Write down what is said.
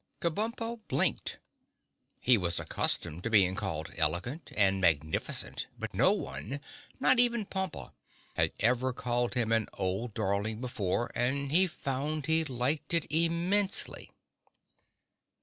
Kabumpo blinked. He was accustomed to being called elegant and magnificent but no one—not even Pompa—had ever called him an old darling before and he found he liked it immensely.